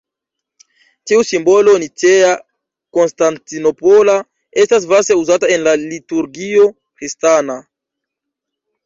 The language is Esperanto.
Tiu simbolo nicea-konstantinopola estas vaste uzata en la liturgio kristana.